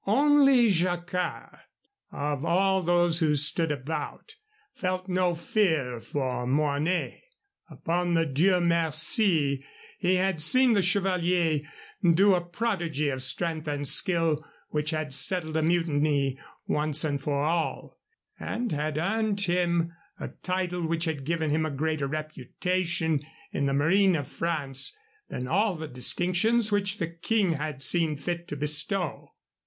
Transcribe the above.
Only Jacquard, of all those who stood about, felt no fear for Mornay. Upon the Dieu Merci he had seen the chevalier do a prodigy of strength and skill which had settled a mutiny once and for all, and had earned him a title which had given him a greater reputation in the Marine of France than all the distinctions which the King had seen fit to bestow.